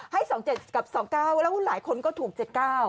ให้สองเจ็ดกับสองเก้าแล้วหลายคนก็ถูกเจ็ดเก้า